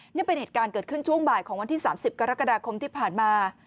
นี่เป็นเหตุการณ์เกิดขึ้นช่วงบ่ายของวันที่๓๐กรกฎาคมที่ผ่านมา